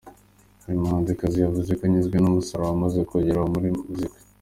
Uyu muhanzikazi yavuze ko anyuzwe n’umusasuro amaze kugeraho muri muzika.